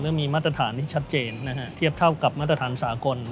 มีมาตรฐานที่ชัดเจนนะฮะเทียบเท่ากับมาตรฐานสากล